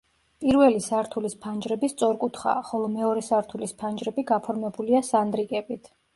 პირველი სართულის ფანჯრები სწორკუთხაა, ხოლო მეორე სართულის ფანჯრები გაფორმებულია სანდრიკებით.